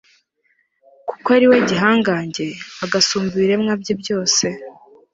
kuko ari we gihangange, agasumba ibiremwa bye byose